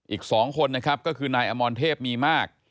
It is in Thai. อีก๒คนนะครับก็คือนายอมรเทพมีมาก